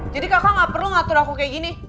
jadi kakak gak perlu ngatur aku kayak gini